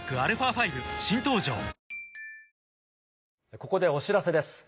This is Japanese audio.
ここでお知らせです